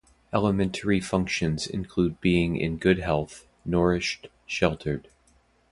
Elementary Functions include being in good health, nourished, sheltered.